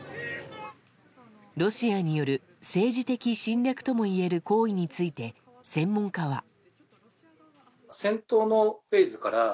ロシアによる政治的侵略ともいえる行為について専門家は。